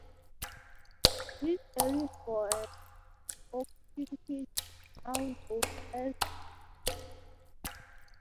This early form of Auction Pitch is now known as "Commercial Pitch".